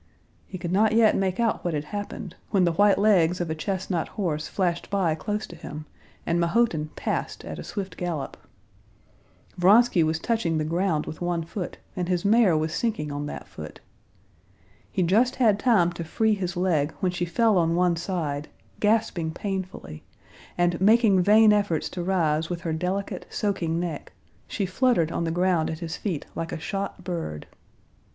He could not yet make out what had happened, when the white legs of a chestnut horse flashed by close to him, and Mahotin passed at a swift gallop. Vronsky was touching the ground with one foot, and his mare was sinking on that foot. He just had time to free his leg when she fell on one side, gasping painfully, and, making vain efforts to rise with her delicate, soaking neck, she fluttered on the ground at his feet like a shot bird.